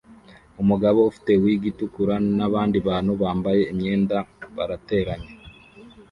Umugabo ufite wig itukura nabandi bantu bambaye imyenda barateranye